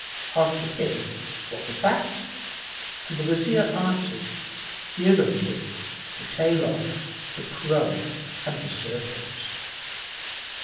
Asked the King "What was that?"; and the Wazir answered, "Hear, O King, the tale of The Crow and the Serpent.